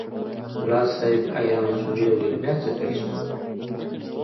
ملا صاحب حیران شو وویل بیا څه پېښ شول؟